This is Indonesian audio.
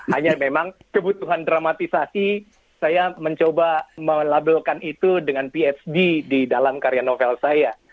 hanya memang kebutuhan dramatisasi saya mencoba melabelkan itu dengan phd di dalam karya novel saya